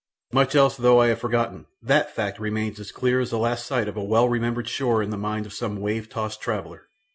Much else though I have forgotten, THAT fact remains as clear as the last sight of a well remembered shore in the mind of some wave tossed traveller.